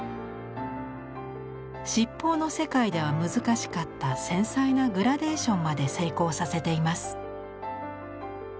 七宝の世界では難しかった繊細なグラデーションまで成功させています。